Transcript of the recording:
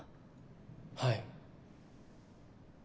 はい。